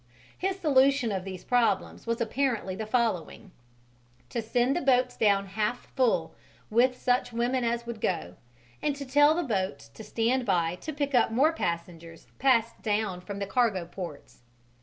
His solution of these problems was apparently the following: to send the boats down half full, with such women as would go, and to tell the boats to stand by to pick up more passengers passed down from the cargo ports.